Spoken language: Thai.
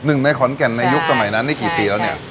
หนึ่งในขอนแก่นในยุคสมัยนั้นนี่กี่ปีแล้วเนี่ย